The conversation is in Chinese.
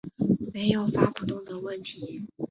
没有发不动的问题